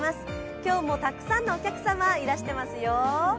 今日もたくさんのお客様、いらしてますよ。